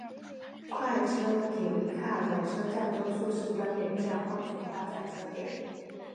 快车停靠的车站多数是端点站或主要转车点。